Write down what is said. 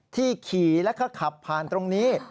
ที่ขี่แล้วก็ขับผ่านตรงนี้